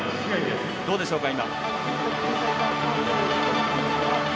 どうでしょうか、今。